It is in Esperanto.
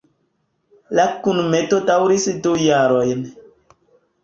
La kunmeto daŭris du jarojn.